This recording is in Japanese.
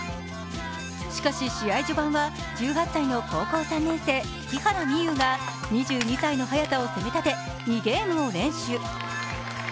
しかし、試合序盤は１８歳の高校３年生、木原美悠が２２歳の早田を攻め立て２ゲームを連取。